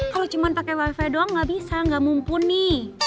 kalo cuman pake wifi doang gak bisa gak mumpuni